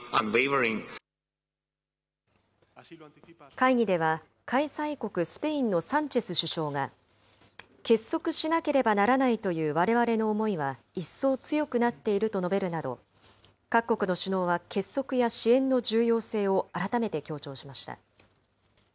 会議では、開催国スペインのサンチェス首相が、結束しなければならないというわれわれの思いは、一層強くなっていると述べるなど、各国の首脳は結束や支援の重要性を改めて強調しました。